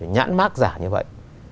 nhãn mát giả như vậy